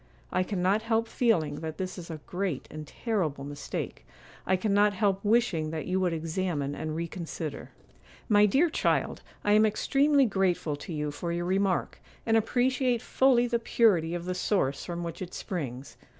I cannot help feeling that this is a great and terrible mistake. I cannot help wishing that you would examine and reconsider.' 'My dear child, I am extremely grateful to you for your remark, and appreciate fully the purity of the source from which it springs.